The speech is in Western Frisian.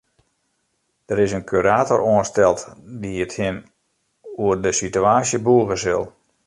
Der is in kurator oansteld dy't him oer de sitewaasje bûge sil.